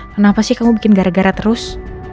kenapa sih kamu bikin gara gara terus